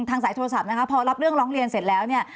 สายโทรศัพท์นะคะพอรับเรื่องร้องเรียนเสร็จแล้วเนี่ย